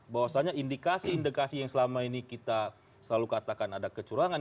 bahwasannya indikasi indikasi yang selama ini kita selalu katakan ada kecurangan